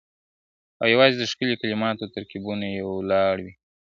او یوازي د ښکلیو کلماتو او ترکیبونو یو لاړ وي `